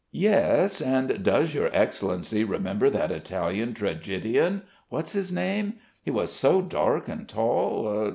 Yes.... And does your Excellency remember that Italian tragedian?... What's his name?... He was so dark, and tall....